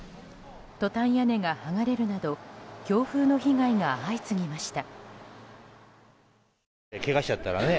トタン屋根がはがれるなど強風の被害が相次ぎました。